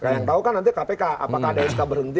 yang tahu kan nanti kpk apakah ada sk berhenti